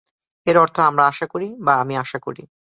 এর অর্থ ""আমরা আশা করি"" বা ""আমি আশা করি""।